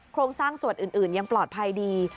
โครงสร้างส่วนอื่นยังปลอดภัยดี